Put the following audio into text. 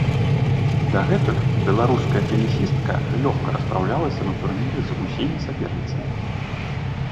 Дагэтуль беларуская тэнісістка лёгка распраўлялася на турніры з усімі саперніцамі.